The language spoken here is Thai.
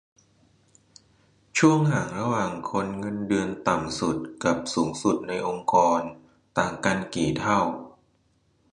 ช่วงห่างระหว่างคนเงินเดือนต่ำสุดกับสูงสุดในองค์กรต่างกันกี่เท่า